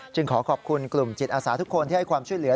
ขอขอบคุณกลุ่มจิตอาสาทุกคนที่ให้ความช่วยเหลือ